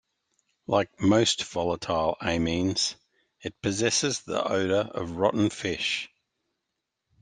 Like most volatile amines, it possesses the odour of rotten fish.